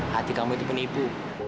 hati kamu itu penipu